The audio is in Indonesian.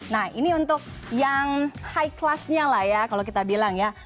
nah ini untuk yang high classnya lah ya kalau kita bilang ya